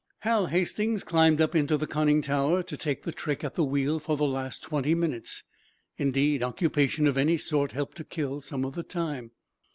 Hal Hastings climbed up into the conning tower to take the trick at the wheel for the last twenty minutes. Indeed, occupation of any sort helped to kill some of the time.